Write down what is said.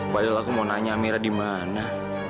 padahal aku mau nanya amira di mana